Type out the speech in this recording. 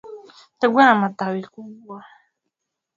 Mkoloni alikuja kwetu akaleta mazuri